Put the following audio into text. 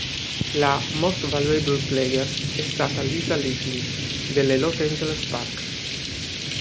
La "Most Valuable Player" è stata Lisa Leslie delle Los Angeles Sparks.